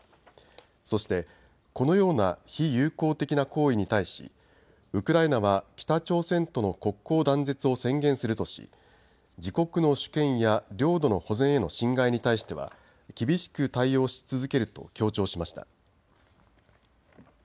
そして、このような非友好的な行為に対しウクライナは北朝鮮との国交断絶を宣言するとし自国の主権や領土の保全への侵害に対しては厳しく対応し続けると強調しました。